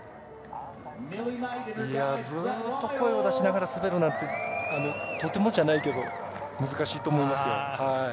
ずっと声を出しながら滑るなんてとてもじゃないけど難しいと思いますよ。